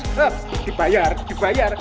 heuh dibayar dibayar